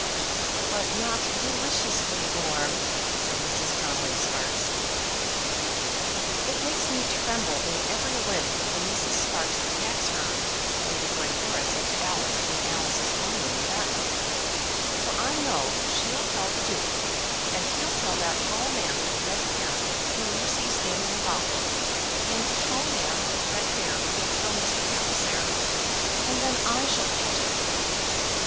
"But not deliciously warm," said Mrs. Conway Sparkes. "It makes me tremble in every limb when Mrs. Sparkes attacks her," Lady Glencora said to Alice in Alice's own room that night, "for I know she'll tell the Duke; and he'll tell that tall man with red hair whom you see standing about, and the tall man with red hair will tell Mr. Palliser, and then I shall catch it."